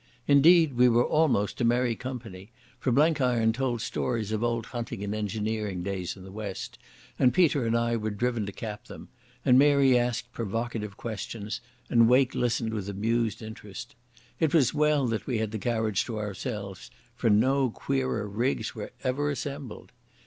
Indeed, we were almost a merry company, for Blenkiron told stories of old hunting and engineering days in the West, and Peter and I were driven to cap them, and Mary asked provocative questions, and Wake listened with amused interest. It was well that we had the carriage to ourselves, for no queerer rigs were ever assembled.